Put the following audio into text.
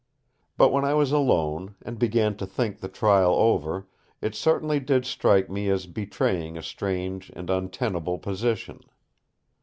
But when I was alone, and began to think the trial over, it certainly did strike me as betraying a strange and untenable position.